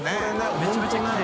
めちゃめちゃきれい。